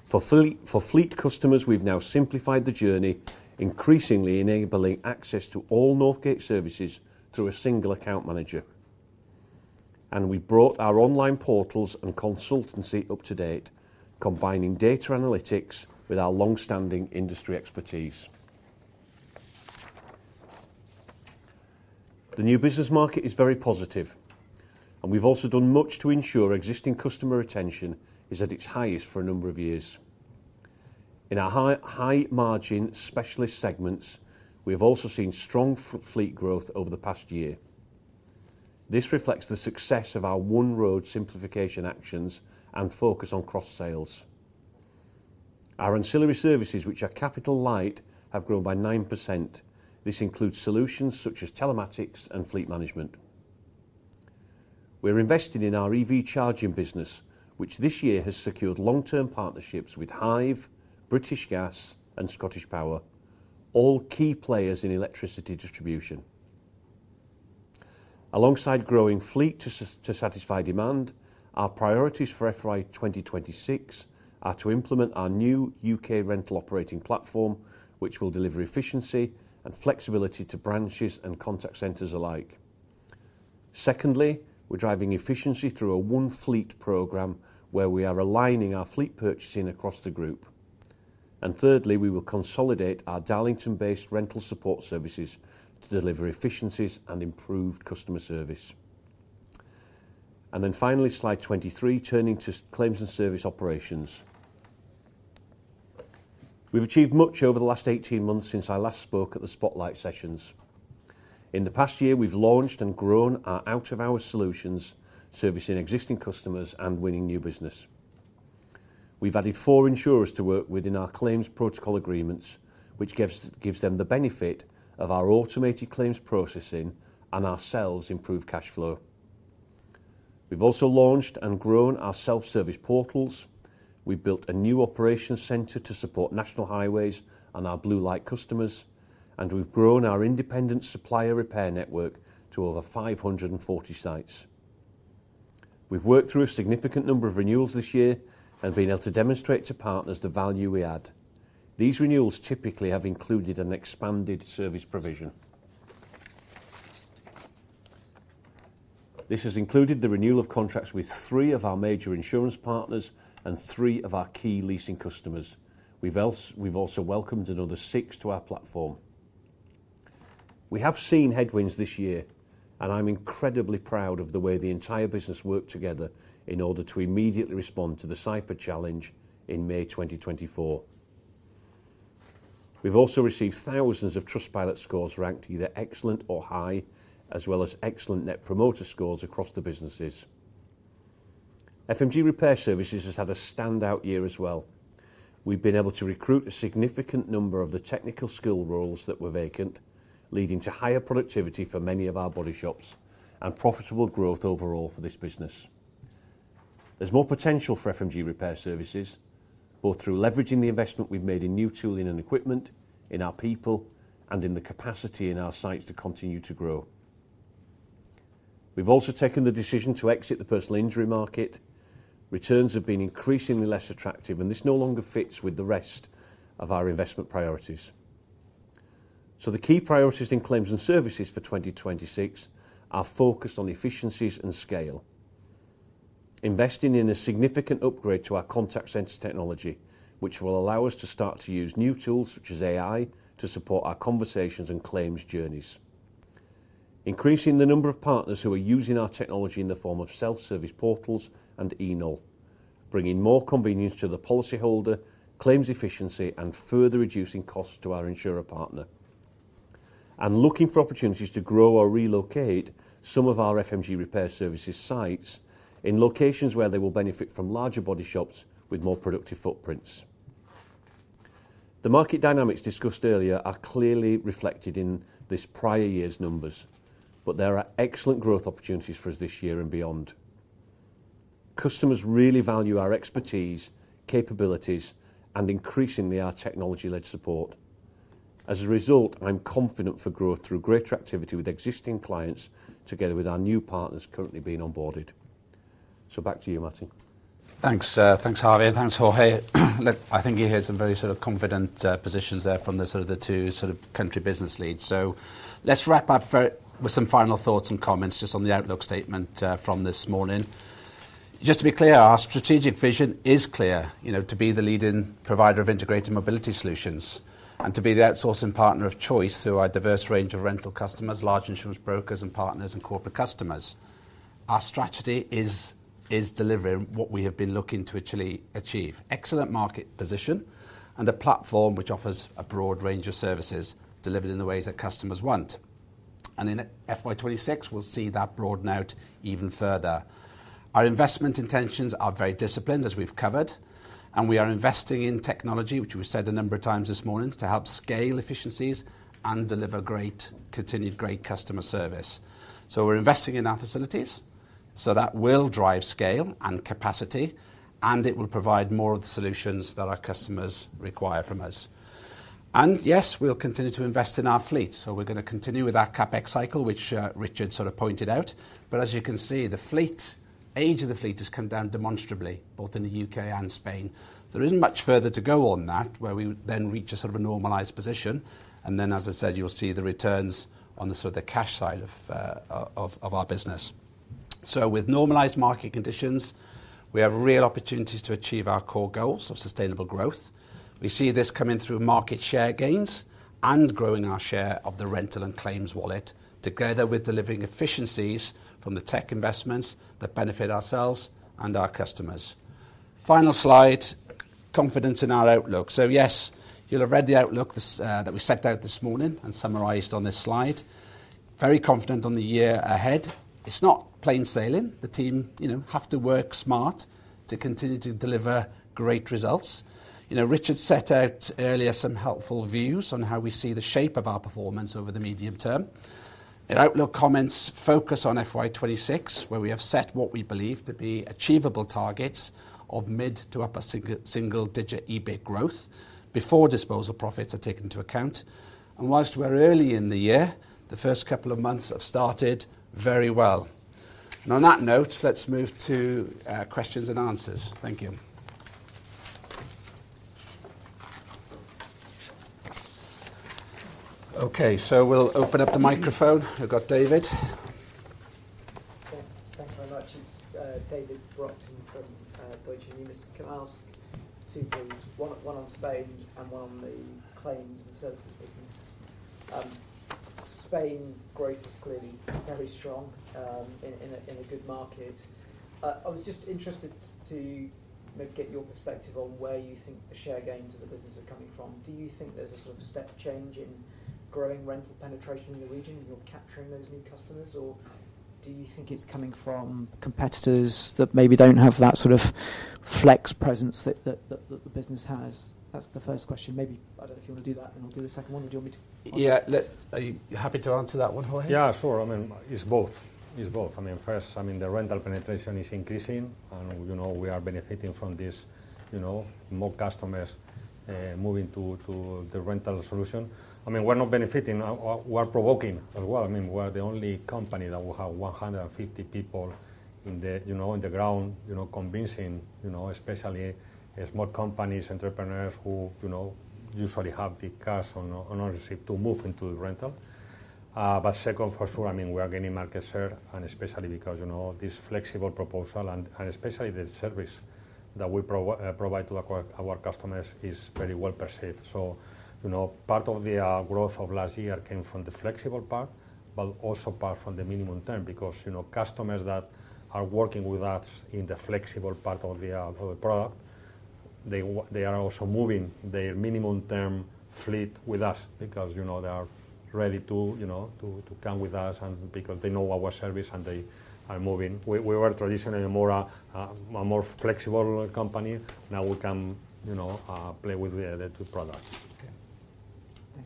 for fleet customers. We've now simplified the journey, increasingly enabling access to all Northgate services through a single account manager. We brought our online portals and consultancy up to date, combining data analytics with our long-standing industry expertise. The new business market is very positive, and we've also done much to ensure existing customer retention is at its highest for a number of years in our high-margin specialist segments. We have also seen strong fleet growth over the past year. This reflects the success of our One Road simplification actions and focus on cross sales. Our ancillary services, which are capital light, have grown by 9%. This includes solutions such as telematics and fleet management. We're investing in our EV charging business, which this year has secured long-term partnerships with Hive, British Gas, and Scottish Power, all key players in electricity distribution alongside growing fleet to satisfy demand. Our priorities for FY 2026 are to implement our new U.K. rental operating platform, which will deliver efficiency and flexibility to branches and contact centers alike. Secondly, we're driving efficiency through a one fleet program where we are aligning our fleet purchasing across the group, and thirdly, we will consolidate our Darlington-based rental support services to deliver efficiencies and improved customer service. Finally, slide 23, turning to claims and service operations, we've achieved much over the last 18 months since I last spoke at the Spotlight sessions. In the past year, we've launched and grown our out of hours solutions, servicing existing customers and winning new business. We've added four insurers to work within our claims protocol agreements, which gives them the benefit of our automated claims processing and ourselves improved cash flow. We've also launched and grown our self-service portals. We built a new operations center to support National highways and our blue light customers, and we've grown our independent supplier repair network to over 540 sites. We've worked through a significant number of renewals this year and been able to demonstrate to partners the value we add. These renewals typically have included an expanded service provision. This has included the renewal of contracts with three of our major insurance partners and three of our key leasing customers. We've also welcomed another six to our platform. We have seen headwinds this year, and I'm incredibly proud of the way the entire business worked together in order to immediately respond to the Cyber challenge in May 2024. We've also received thousands of Trustpilot scores ranked either excellent or high, as well as excellent net promoter scores across the businesses. FMG Repair Services has had a standout year as well. We've been able to recruit a significant number of the technical skill roles that were vacant, leading to higher productivity for many of our body shops and profitable growth overall for this business. There's more potential for FMG Repair Services, both through leveraging the investment we've made in new tooling and equipment, in our people, and in the capacity in our sites to continue to grow. We've also taken the decision to exit the personal injury market. Returns have been increasingly less attractive, and this no longer fits with the rest of our investment priorities. The key priorities in Claims and Services for 2026 are focused on efficiencies and scale, investing in a significant upgrade to our contact center technology, which will allow us to start to use new tools such as AI to support our conversations and claims journeys, increasing the number of partners who are using our technology in the form of self-service portals and eNOL, bringing more convenience to the policy holder, claims efficiency, and further reducing costs to our insurer partner, and looking for opportunities to grow or relocate some of our FMG Repair Services sites in locations where they will benefit from larger body shops with more productive footprints. The market dynamics discussed earlier are clearly reflected in this prior year's numbers, but there are excellent growth opportunities for us this year and beyond. Customers really value our expertise, capabilities, and increasingly our technology-led support. As a result, I'm confident for growth through greater activity with existing clients together with our new partners currently being onboarded. Back to you, Martin, thanks. Thanks Harvey and thanks Jorge. I think you hear some very sort of confident positions there from the two sort of country business leads. Let's wrap up with some final thoughts and comments just on the outlook statement from this morning. Just to be clear, our strategic vision is clear to be the leading provider of integrated mobility solutions and to be the outsourcing partner of choice through our diverse range of rental customers, large insurance brokers and partners, and corporate customers. Our strategy is delivering what we have been looking to actually achieve: excellent market position and a platform which offers a broad range of services delivered in the ways that customers want. In FY 2026 we'll see that broaden out even further. Our investment intentions are very disciplined as we've covered, and we are investing in technology, which we said a number of times this morning, to help scale efficiencies and deliver continued great customer service. We're investing in our facilities, so that will drive scale and capacity, and it will provide more of the solutions that our customers require from us. We'll continue to invest in our fleet, so we're going to continue with that CapEx cycle, which Richard sort of pointed out. As you can see, the age of the fleet has come down demonstrably both in the U.K. and Spain. There isn't much further to go on that where we then reach a normalized position, and then as I said, you'll see the returns on the cash side of our business. With normalized market conditions, we have real opportunities to achieve our core goals of sustainable growth. We see this coming through market share gains and growing our share of the rental and claims wallet, together with delivering efficiencies from the tech investments that benefit ourselves and our customers. Final slide: confidence in our outlook. You'll have read the outlook that we set out this morning and summarized on this slide. Very confident on the year ahead. It's not plain sailing. The team have to work smart to continue to deliver great results. Richard set out earlier some helpful views on how we see the shape of our performance over the medium term in outlook comments. Focus on FY 2026 where we have set what we believe to be achievable targets of mid to upper single-digit EBIT growth before disposal profits are taken into account. Whilst we're early in the year, the first couple of months have started very well. On that note, let's move to questions and answers. Thank you. We'll open up the microphone. We've got David. Thank you very much. It's David Brockton from Deutsche Numis. Can I ask two things, one on Spain and one on the Claims and Services business? Spain growth is clearly very strong in a good market. I was just interested to get your perspective on where you think the share gains of the business are coming from. Do you think there's a sort of step change in growing rental penetration in the region, you're capturing those new customers or do you think it's coming from competitors that maybe don't have that sort of flex presence the business has? That's the first question. Maybe. I don't know if you want to do that and I'll do the second one. Yeah. Are you happy to answer that one, Jorge? Yeah, sure. I mean it's both. It's both. I mean first, the rental penetration is increasing and we are benefiting from this, more customers moving to the rental solution. We're not benefiting, we're provoking as well. We're the only company that will have 150 people on the ground convincing, especially small companies, entrepreneurs who usually have the cash on ownership to move into rental. Second, for sure we are gaining market share and especially because this flexible proposal and especially the service that we provide to our customers is very well perceived. Part of the growth of last year came from the flexible part but also apart from the minimum term because customers that are working with us in the flexible part of the product, they are also moving their minimum term fleet with us because they are ready to come with us because they know our service and they are moving. We were traditionally a more flexible company. Now we can play with the other two products.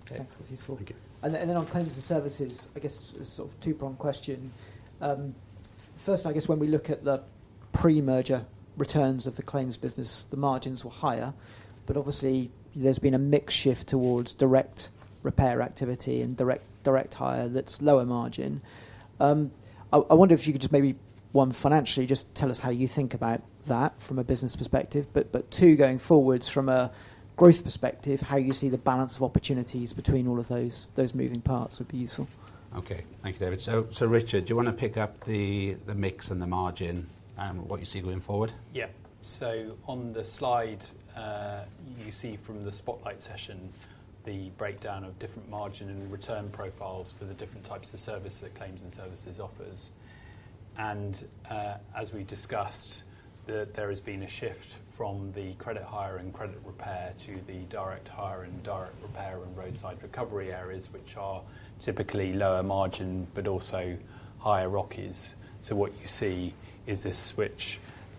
Thanks. That's useful. On Claims and Services, I guess sort of two-pronged question. First, I guess when we look at the pre-merger returns of the claims business, the margins were higher, but obviously there's been a mix shift towards direct repair activity and direct hire that's lower margin. I wonder if you could just maybe, one, financially just tell us how you think about that from a business perspective, but two, going forwards from a growth perspective, how you see the balance of opportunities between all of those moving parts would be useful. Okay, thank you, David. Richard, do you want to pick up the mix and the margin, what you see going forward? Yeah. On the slide you see from the spotlight session, the breakdown of different margin and return profiles for the different types of service that Claims and Services offers. As we discussed, there has been a shift from the credit hire and credit repair to the direct hire and direct repair and roadside recovery areas, which are typically lower margin but also higher ROCEs. What you see is this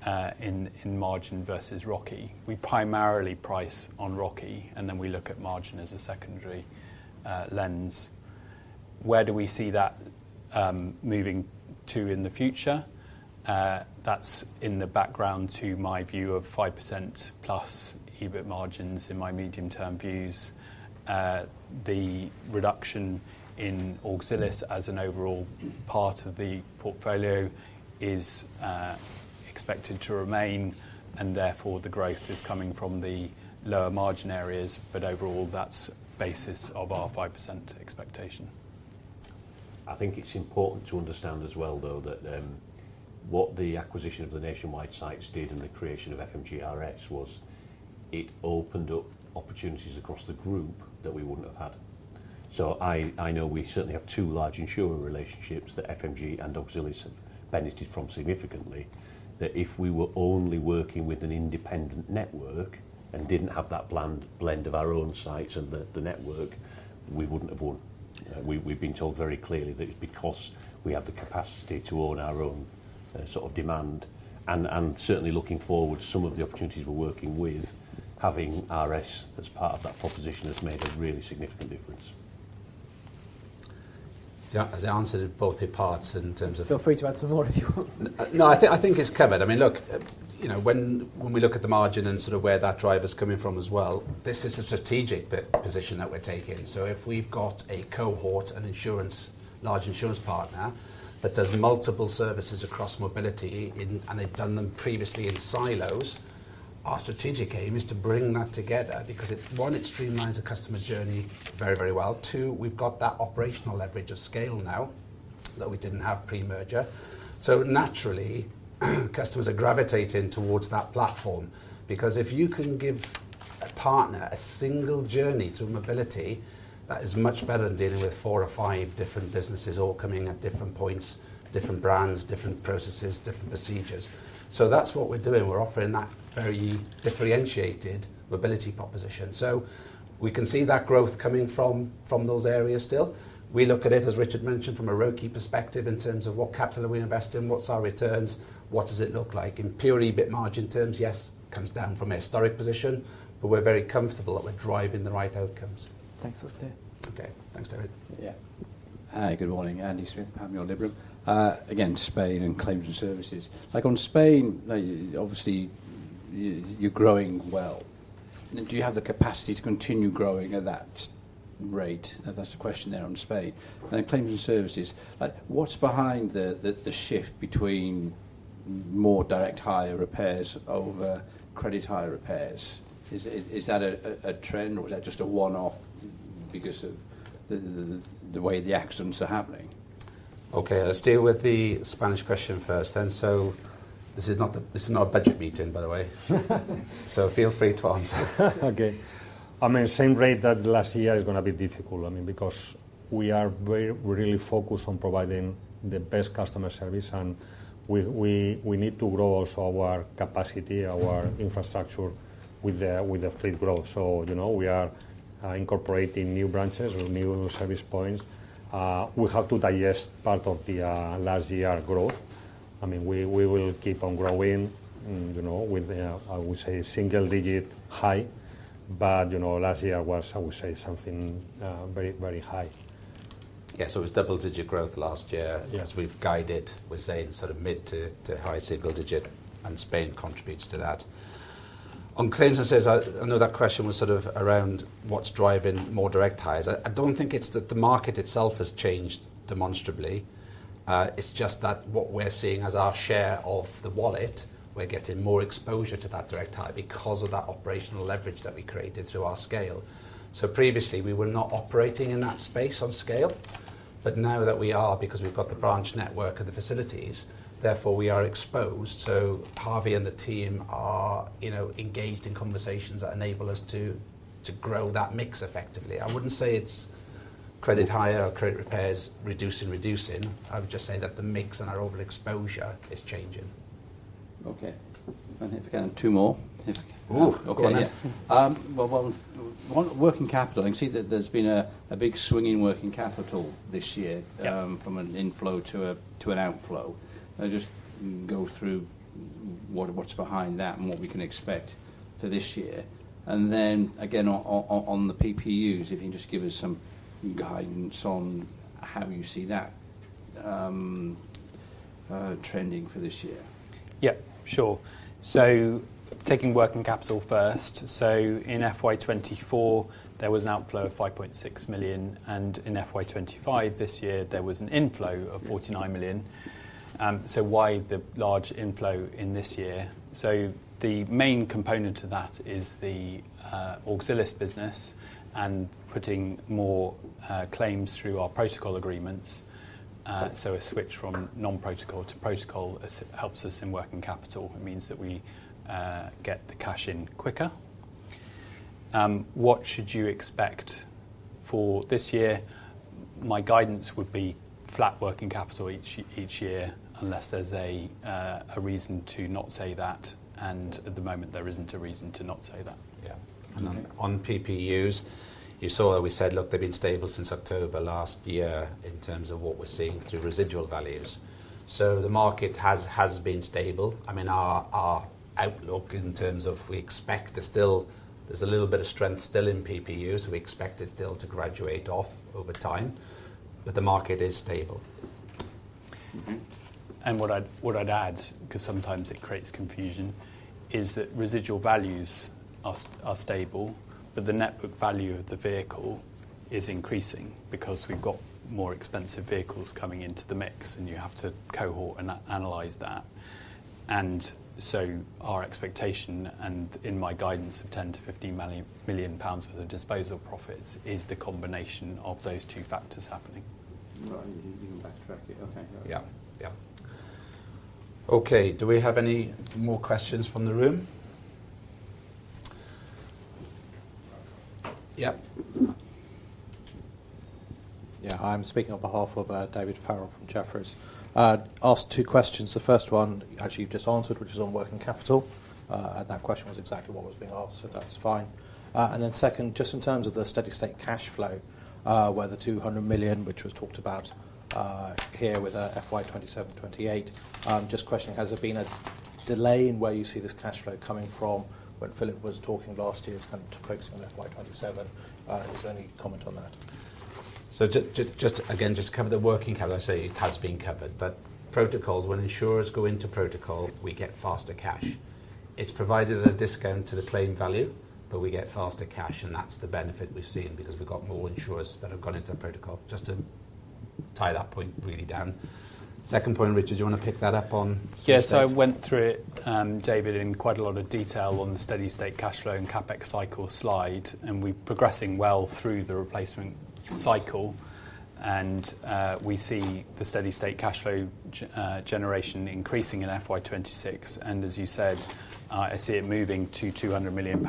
switch in margin versus ROCE. We primarily price on ROCE, and then we look at margin as a secondary lens. Where do we see that moving to in the future? That's in the background to my view of 5%+ EBIT margins. In my medium-term views, the reduction in auxiliary as an overall part of the portfolio is expected to remain, and therefore the growth is coming from the lower margin areas. Overall, that's the basis of our 5% expectation. I think it's important to understand as well that what the acquisition of the nationwide sites did in the creation of FMGRS was it opened up opportunities across the group that we wouldn't have had. I know we certainly have two large insurer relationships that FMG and Auxillis have benefited from significantly that if we were only working with an independent network and didn't have that blend of our own sites and the network, we wouldn't have won. We've been told very clearly that it's because we have the capacity to own our own sort of demand. Certainly looking forward, some of the opportunities we're working with having RS as part of that proposition has made a really significant difference. As it answers both the parts in terms. Feel free to add some more if you want. No, I think it's covered. I mean, look, when we look at the margin and sort of where that driver is coming from as well, this is a strategic position that we're taking. If we've got a cohort, a large insurance partner that does multiple services across mobility and they've done them previously in silos, our strategic aim is to bring that together because, one, it streamlines the customer journey very, very well. Two, we've got that operational leverage of scale now that we didn't have pre merger. Naturally, customers are gravitating towards that platform because if you can give a partner a single journey through mobility, that is much better than dealing with four or five different businesses all coming at different points, different brands, different processes, different procedures. That's what we're doing. We're offering that very differentiated mobility proposition so we can see that growth coming from those areas. Still, we look at it, as Richard mentioned, from a ROCE perspective in terms of what capital are we investing, what's our returns, what does it look like in pure EBIT margin terms. Yes, comes down from a historic position but we're very comfortable that we're driving the right outcomes. Thanks. That's clear. Okay, thanks David. Hi, good morning. Andy Smith, Panmure Liberum. Spain and Claims and Services, like on Spain, obviously you're growing. Do you have the capacity to continue growing at that rate? That's the question there on Spain and Claims and Services. What's behind the shift between more direct hire repairs over credit hire repairs? Is that a trend or is that just a one off because of the way the accidents are happening? Okay, let's deal with the split Spanish question first. This is not a budget meeting, by the way, so feel free to answer. Okay. I mean same rate that last year is going to be difficult, I mean, because we are very really focused on providing the best customer service, and we need to grow also our capacity, our infrastructure with the fleet growth. You know, we are incorporating new branches or new service port. We have to digest part of the last year growth. I mean we will keep on growing with, I would say, single digit high, but last year was, I would say, something very, very high. Yeah, it was double digit growth last year as we've guided. We're saying sort of mid to high single digit, and Spain contributes to that. On claims, I know that question was sort of around what's driving more direct hires. I don't think it's that the market itself has changed demonstrably. It's just that what we're seeing as our share of the wallet, we're getting more exposure to that direct hire because of that operational leverage that we created through our scale. Previously we were not operating in that space on scale, but now that we are, because we've got the branch network of the facilities, therefore we are exposed. Harvey and the team are engaged in conversations that enable us to grow that mix effectively. I wouldn't say it's credit hire or credit repairs reducing. I would just say that the mix and our overall exposure is changing. Okay, two more. Working capital. I can see that there's been a big swing in working capital this year from an inflow to an outflow. Just go through what's behind that and what we can expect for this year. On the PPUs, if you just give us some guidance on how you see that trending for this year. Yep, sure. Taking working capital first, in FY 2024 there was an outflow of 5.6 million. In FY 2025 this year there was an inflow of 49 million. Why the large inflow in this year? The main component of that is the Auxillis business and putting more claims through our protocol agreements. A switch from non-protocol to protocol helps us in working capital. It means that we get the cash in quicker. What should you expect for this year? My guidance would be flat working capital each year, unless there's a reason to not say that. At the moment there isn't a reason to not say that On PPUs you saw, we said, look, they've been stable since October last year in terms of what we're seeing through residual values. The market has been stable. I mean, our outlook in terms of we expect still. There's a little bit of strength still in PPU, so we expect it still to graduate off over time, but the market is stable. What I'd add, because sometimes it creates confusion, is that residual values are stable, but the net book value of the vehicle is increasing because we've got more expensive vehicles coming into the mix and you have to cohort and analyze that. Our expectation, and in my guidance of EUR 10 million-EUR 15 million for the disposal profits, is the combination of those two factors happening. Okay. Do we have any more questions from the room? Yes. I'm speaking on behalf of David Farrell from Jefferies, asked two questions. The first one actually you just answered, which is on working capital. That question was exactly what was being asked. That's fine. Then second, just in terms of the steady state cash flow where the 200 million which was talked about here with FY 2027, 2028, just questioning, has there been a delay in where you see this cash flow coming from when Philip was talking last year focusing on FY 2027, is there any comment on that? Just again, just cover the working capital. I say it has been covered. Protocols, when insurers go into protocol, we get faster cash. It's provided at a discount to the claim value, but we get faster cash. That's the benefit we've seen because we've got more insurers that have gone into the protocol, just to tie that point really down. Second point, Richard, do you want to pick that up on? Yes, I went through it, David, in quite a lot of detail on the steady state cash flow and CapEx cycle slide. We are progressing well through the replacement cycle, and we see the steady state cash flow generation increasing in FY 2026. As you said, I see it moving to EUR 200+ million.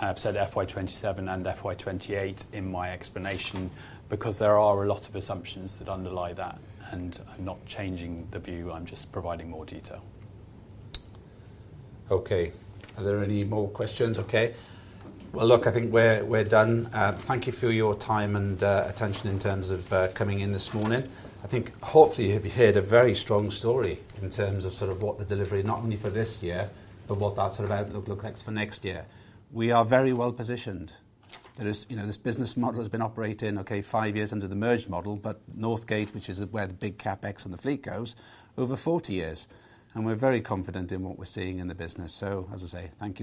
I've said FY 2027 and FY 2028 in my explanation because there are a lot of assumptions that underlie that, and I'm not changing the view, I'm just providing more detail. Okay. Are there any more questions? Okay, I think we're done. Thank you for your time and attention. In terms of coming in this morning, I think hopefully you have heard a very strong story in terms of what the delivery not only for this year but what that outlook looks like for next year. We are very well positioned. This business model has been operating okay five years under the merged model. Northgate, which is where the big CapEx on the fleet goes, has been operating over 40 years and we're very confident in what we're seeing in the business. As I say, thank you all.